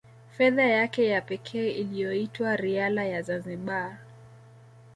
Fedha yake ya pekee iliyoitwa Riala ya Zanzibar